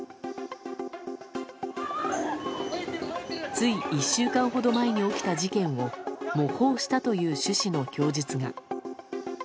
つい１週間ほど前に起きた事件を模倣したという趣旨の供述が。